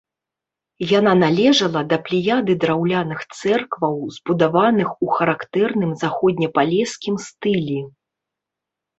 Яна належала да плеяды драўляных цэркваў, збудаваных у характэрным заходнепалескім стылі.